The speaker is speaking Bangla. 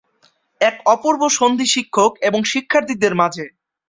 এক অপূর্ব সন্ধি শিক্ষক এবং শিক্ষার্থীদের মাঝে।